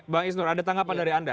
bang isnur ada tanggapan dari anda